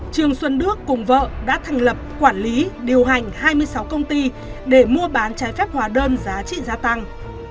trương xuân đức cùng vợ đã thành lập quản lý điều hành hai mươi sáu công ty để mua bán trái phép hóa đơn giá trị gia tăng